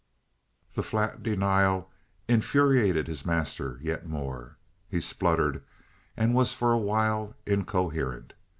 The flat denial infuriated his master yet more. He spluttered and was for a while incoherent.